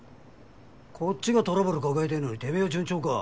こっちがトラブル抱えてるのにてめぇは順調か。